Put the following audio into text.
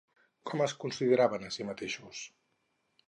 Com es consideraven a si mateixos?